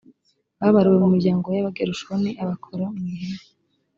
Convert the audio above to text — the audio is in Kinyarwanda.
babaruwe mu miryango y abagerushoni abakora mu ihema